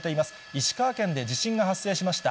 石川県で地震が発生しました。